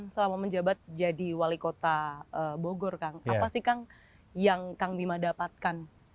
selama menjabat jadi wali kota bogor kang apa sih kang yang kang bima dapatkan